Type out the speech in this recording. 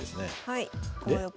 はい。